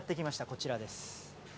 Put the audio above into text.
こちらです。